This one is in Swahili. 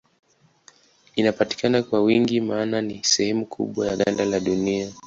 Inapatikana kwa wingi maana ni sehemu kubwa ya ganda la Dunia.